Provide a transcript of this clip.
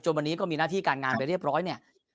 วันนี้ก็มีหน้าที่การงานไปเรียบร้อยเนี่ย